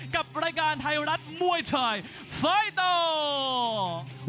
กับรายการไทยรัฐมวยไทยไฟเตอร์